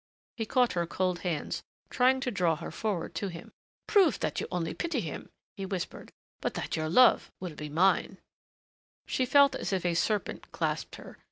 He caught her cold hands, trying to draw her forward to him. "Prove that you only pity him," he whispered, "but that your love will be mine " She felt as if a serpent clasped her.